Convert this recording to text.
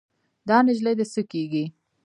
دا نجلۍ دې څه کيږي؟